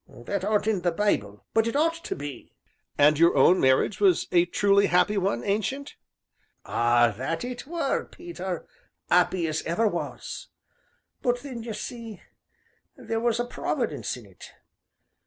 That aren't in the Bible, but it ought to be." "And your own marriage was a truly happy one, Ancient?" "Ah! that it were, Peter, 'appy as ever was but then, ye see, there was a Providence in it.